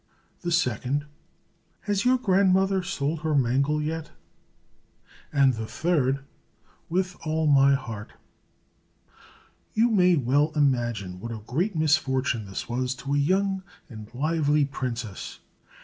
The second, "Has your grandmother sold her mangle yet?" And the third, "With all my heart!" You may well imagine what a great misfortune this was to a young and lively princess.